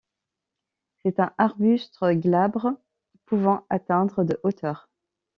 C'est un arbuste glabre pouvant atteindre de hauteur.